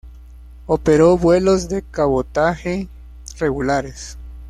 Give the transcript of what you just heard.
Operó vuelos de cabotaje regulares.